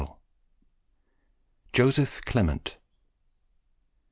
JOSEPH CLEMENT.